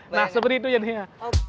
nah seperti itu jadinya